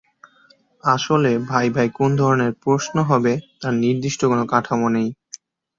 আসলে ভাইভায় কোন ধরনের প্রশ্ন হবে, তার নির্দিষ্ট কোনো কাঠামো নেই।